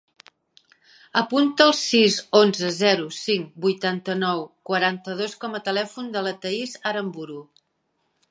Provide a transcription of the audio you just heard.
Apunta el sis, onze, zero, cinc, vuitanta-nou, quaranta-dos com a telèfon de la Thaís Aranburu.